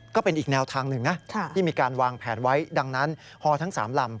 ก็เป็นอีกแนวทางหนึ่งนะที่มีการวางแผนไว้ดังนั้นฮอทั้ง๓ลำ